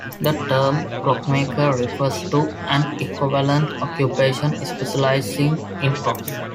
The term clockmaker refers to an equivalent occupation specializing in clocks.